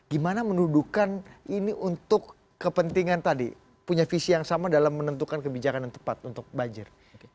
gimana menuduhkan ini untuk kepentingan tadi punya visi yang sama dalam menentukan kebijakan yang tepat untuk banjir